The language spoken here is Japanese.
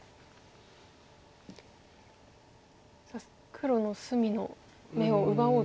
黒の隅の眼を奪おうと。